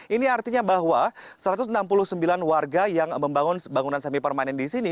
ini artinya bahwa satu ratus enam puluh sembilan warga yang membangun bangunan semi permanen di sini